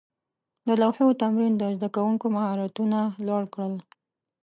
د لوحو تمرین د زده کوونکو مهارتونه لوړ کړل.